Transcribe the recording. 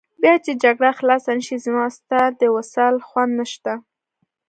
بیا چې جګړه خلاصه نه شي، زما او ستا د وصال خوند نشته.